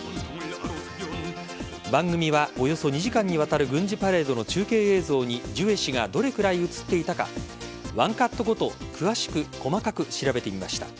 番組は、およそ２時間にわたる軍事パレードの中継映像にジュエ氏がどれくらい映っていたかワンカットごと詳しく細かく調べてみました。